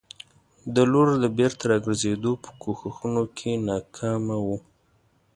د لور د بېرته راګرزېدو په کوښښونو کې ناکامه وو.